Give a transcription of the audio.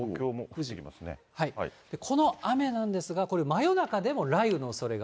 この雨なんですが、これ、真夜中でも雷雨のおそれが。